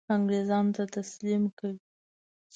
انګرېزانو ته تسلیم کړ.